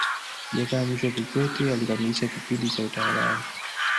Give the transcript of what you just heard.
Jakaya Mrisho Kikwete alikamilisha kipindi cha utawala wake